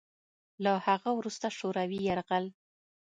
له هغه وروسته شوروي یرغل